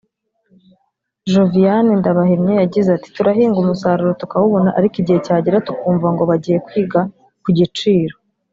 Joviane Ndabahimye yagize ati “Turahinga umusaruro tukawubona ariko igihe cyagera tukumva ngo bagiye kwiga ku giciro